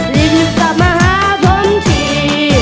ดีกว่ากลับมาหาผมที่